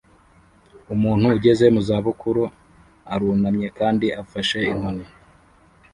Umuntu ugeze mu zabukuru arunamye kandi afashe inkoni